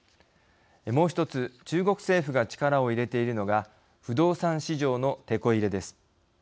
もう一つ中国政府が力を入れているのが不動産市場のてこ入れです。